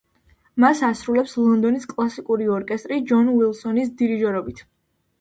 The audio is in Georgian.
მას ასრულებს ლონდონის კლასიკური ორკესტრი ჯონ უილსონის დირიჟორობით.